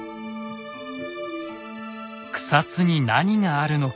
草津に何があるのか。